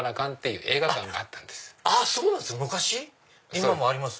今もあります？